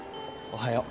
おはよう。